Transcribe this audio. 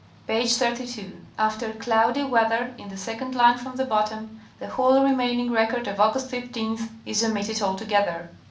Page 32, after '' cloudy weather" in the second line from the bottom, the whole remaining record of August 15th is omitted altogether.